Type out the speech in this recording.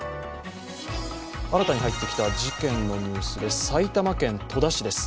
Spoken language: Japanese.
新たに入ってきた事件のニュースです。